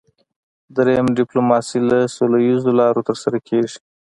دریم ډیپلوماسي له سوله اییزو لارو ترسره کیږي